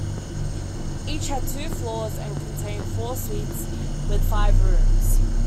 Each had two floors and contained four suites with five rooms.